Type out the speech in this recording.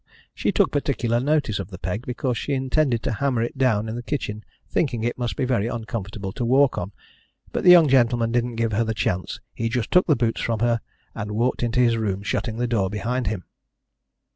She took particular notice of the peg, because she intended to hammer it down in the kitchen, thinking it must be very uncomfortable to walk on, but the young gentleman didn't give her the chance he just took the boots from her and walked into his room, shutting the door behind him.